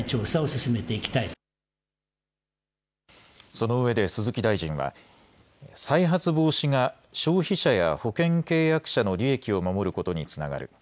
そのうえで鈴木大臣は再発防止が消費者や保険契約者の利益を守ることにつながる。